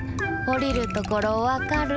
おりるところわかる？